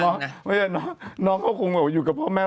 ไม่อย่างน้องเค้าคงอยู่กับพ่อแม่